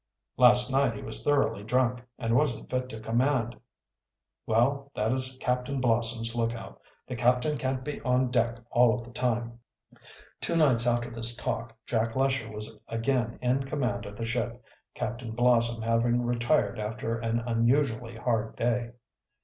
"Last night he was thoroughly drunk, and wasn't fit to command." "Well, that is Captain Blossom's lookout. The captain can't be on deck all of the time." Two nights after this talk Jack Lesher was again in command of the ship, Captain Blossom having retired after an unusually hard day.